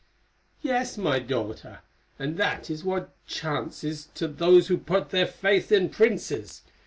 "Yes, my daughter, and that is what chances to those who put their faith in princes.